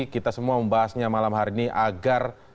kita semua membahasnya malam hari ini agar